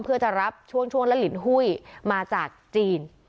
เพื่อจะรับช่วงและลินหุ้ยมาจากจีน